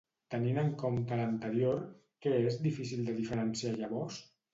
Tenint en compte l'anterior, què és difícil de diferenciar llavors?